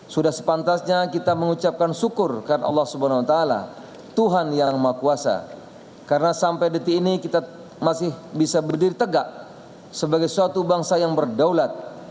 sudah sepantasnya kita mengucapkan syukur kepada allah swt tuhan yang maha kuasa karena sampai detik ini kita masih bisa berdiri tegak sebagai suatu bangsa yang berdaulat